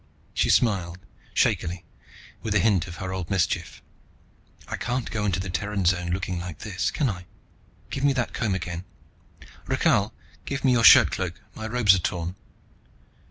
She smiled, shakily, with a hint of her old mischief. "I can't go into the Terran Zone looking like this, can I? Give me that comb again. Rakhal, give me your shirtcloak, my robes are torn."